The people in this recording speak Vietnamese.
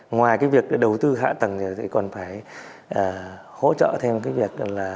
ngoài cái việc đầu tư hạ tầng thì còn phải hỗ trợ thêm cái việc là